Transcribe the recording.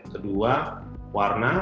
kedua warna penggunaan warna yang